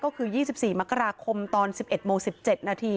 ก็คือ๒๔มกราคมตอน๑๑โมง๑๗นาที